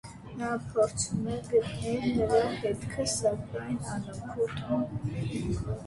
Նա փորձում է գտնել նրա հետքը, սակայն անօգուտ։